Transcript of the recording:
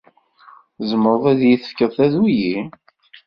Tzemreḍ ad iyi-d-tefkeḍ- taduli?